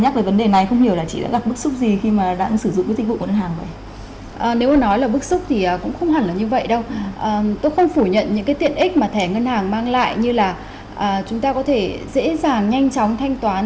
tôi không phủ nhận những cái tiện ích mà thẻ ngân hàng mang lại như là chúng ta có thể dễ dàng nhanh chóng thanh toán